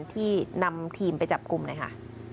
ที่นำทีมไปจับกุมนะคะ